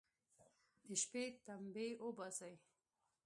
د شپې تمبې اوباسي.